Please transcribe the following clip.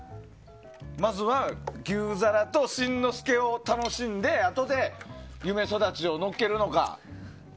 まずは牛皿と新之助を楽しんであとで夢そだちをのっけるのか。